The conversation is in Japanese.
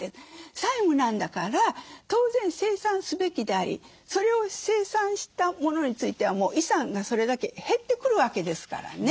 債務なんだから当然清算すべきでありそれを清算したものについては遺産がそれだけ減ってくるわけですからね。